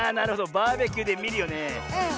バーベキューでみるよね。